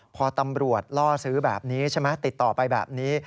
พอตำรวจล่อซื้อแบบนี้ใช่ไหมติดต่อไปแบบนี้